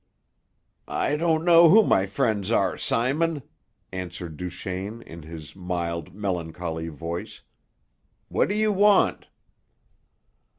"I don't know who my friends are, Simon," answered Duchaine, in his mild, melancholy voice. "What do you want?"